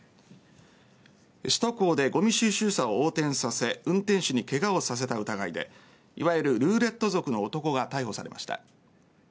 首都高でごみ収集車を横転させ運転手にケガをさせた疑いでいわゆるルーレット族の男が逮捕されました。